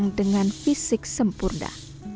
seorang dengan fisik sempurna